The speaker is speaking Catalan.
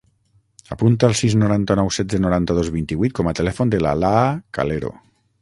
Apunta el sis, noranta-nou, setze, noranta-dos, vint-i-vuit com a telèfon de l'Alaa Calero.